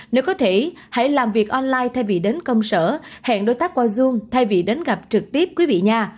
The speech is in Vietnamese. nếu có thể hãy làm việc online thay vì đến công sở hẹn đối tác qua zon thay vì đến gặp trực tiếp quý vị nhà